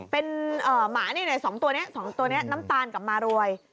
เป็นหมานี่๒ตัวนี้๒ตัวนี้น้ำตาลกับมารวย